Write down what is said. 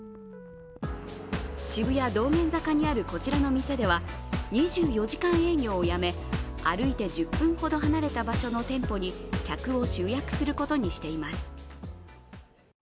渋谷・道玄坂にあるこちらの店では２４時間営業をやめ、歩いて１０分ほど離れた場所の店舗に客を集約することにしています。